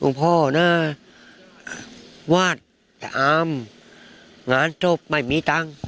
น้องพ่อน่ะวาดทะอามงานโทษไม่มีตังค์